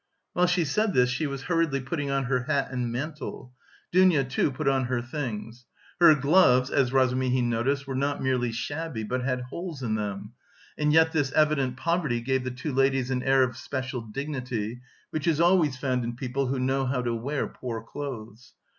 While she said this she was hurriedly putting on her hat and mantle; Dounia, too, put on her things. Her gloves, as Razumihin noticed, were not merely shabby but had holes in them, and yet this evident poverty gave the two ladies an air of special dignity, which is always found in people who know how to wear poor clothes.